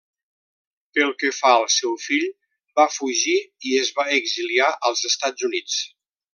Pel que fa al seu fill, va fugir i es va exiliar als Estats Units.